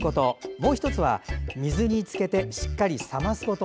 もう１つは水に浸けてしっかり冷ますこと。